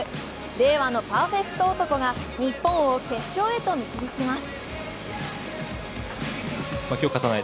令和のパーフェクト男が日本を決勝へと導きます。